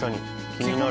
気になる。